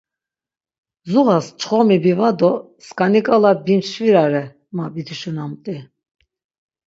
Zuğas çxomi biva do skaniǩala bimçvirare, ma biduşunamt̆i.